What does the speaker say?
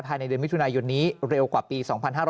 ภายในเดือนมิถุนายนิเร็วกว่าปี